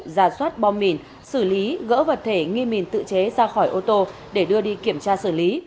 giả soát bom mìn xử lý gỡ vật thể nghi mìn tự chế ra khỏi ô tô để đưa đi kiểm tra xử lý